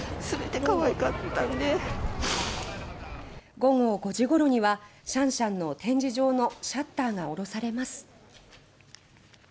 午後５時頃にはシャンシャンの展示場のシャッターが下ろされます。